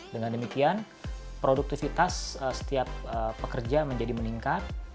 dengan demikian produktivitas setiap pekerja menjadi meningkat